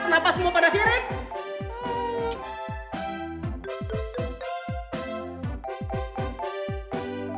kenapa semua pada sirik